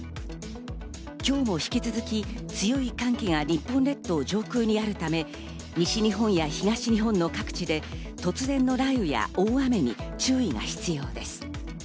今日も引き続き強い寒気が日本列島上空にあるため、西日本や東日本の各地で突然の雷雨や大雨に注意が必要です。